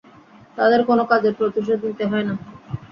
তাদের কোন কাজের প্রতিশোধ নিতে হয় না।